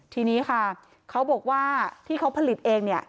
ทีนี้ค่ะเขาบอกว่าที่เขาผลิตเองเนี่ย